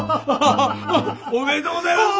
ありがとうございます。